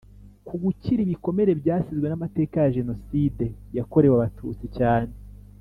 Ku gukira ibikomere byasizwe n amateka ya jenoside yakorewe abatutsi cyane